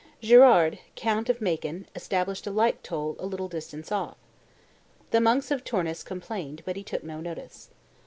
Girard, count of Macon, established a like toll a little distance off. The monks of Tournus complained; but he took no notice.